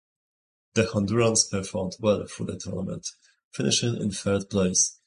The Hondurans performed well through the tournament, finishing in third place.